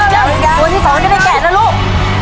ตัวที่สองก็ได้แกะนะลูก